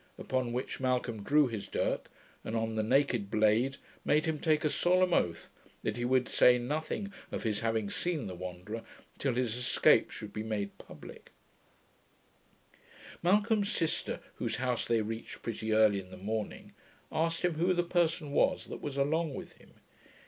Upon which Malcolm drew his dirk, and on the naked blade, made him take a solemn oath, that he would say nothing of his having seen the Wanderer, till his escape should be made publick. Malcolm's sister, whose house they reached pretty early in the morning, asked him who the person was that was along with him.